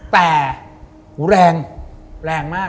แต่หูแรงแรงมาก